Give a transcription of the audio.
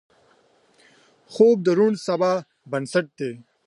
خوب د روڼ سبا بنسټ دی